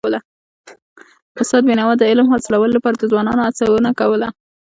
استاد بينوا د علم حاصلولو لپاره د ځوانانو هڅونه کوله.